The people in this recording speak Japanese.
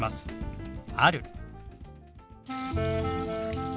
「ある」。